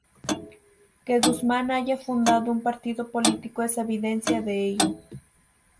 Que Guzmán haya fundado un partido político es evidencia de ello.